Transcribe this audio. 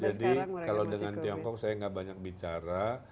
jadi kalau dengan tiongkok saya nggak banyak bicara